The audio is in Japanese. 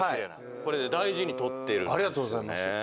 これ大事に取ってるんですよね。